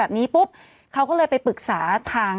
แบบนี้ปุ๊บเขาก็เลยไปปรึกษาทาง